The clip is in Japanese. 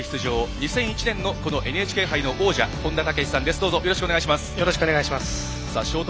２００１年のＮＨＫ杯の王者本田武史さんです。